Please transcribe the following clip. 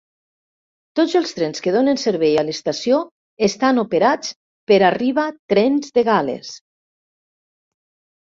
Tots els trens que donen servei a l'estació estan operats per Arriva Trains de Gales.